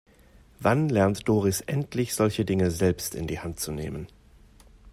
Wann lernt Doris endlich, solche Dinge selbst in die Hand zu nehmen?